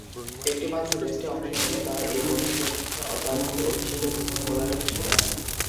একটিমাত্র টেস্টে অংশ নিয়ে তার এ বোলিং পরিসংখ্যান অদ্যাবধি অভিষেকে যে-কোন বোলারের সেরা।